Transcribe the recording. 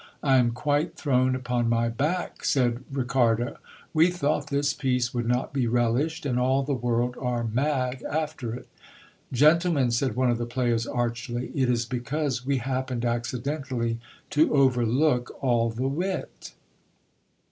I am quite thrown upon my back, said Ri cardo ; we thought this piece would not be relished ; and all the world are mad after it. Gentlemen, said one of the players archly, it is because we hap pened accidentally to overlook all the wit.